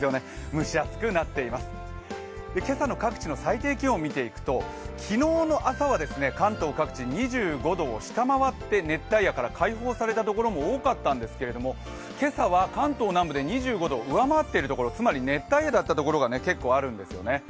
蒸し暑くなっています、今朝の各地の最低気温を見ていくと、昨日の朝は関東各地、２５度を下回って熱帯夜から解放されたところも多かったんですけれども、今朝は関東南部で２５度を上回っているところ、つまり熱帯夜だったところが結構あるんですよね。